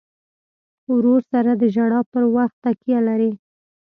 ورور سره د ژړا پر وخت تکیه لرې.